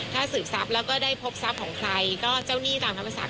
ถ้าสืบทรัพย์แล้วก็ได้พบทรัพย์ของใครก็เจ้าหนี้ตามธรรมศาส